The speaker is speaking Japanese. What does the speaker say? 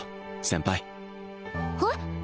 先輩えっ？